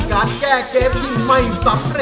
โดยการแข่งขาวของทีมเด็กเสียงดีจำนวนสองทีม